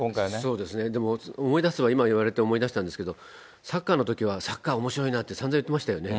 そうですね、でも思い出すのは、今言われて思い出したんですけど、サッカーのときは、サッカーおもしろいなって、さんざん言ってましたよね。